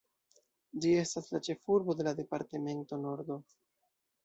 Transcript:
Ĝi estas la ĉefurbo de la Departemento Nordo.